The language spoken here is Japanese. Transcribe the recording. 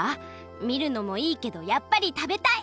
みるのもいいけどやっぱり食べたい！